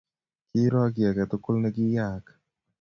kiiro kiy age tugul ne kiyaaka